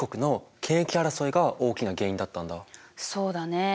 そうだね。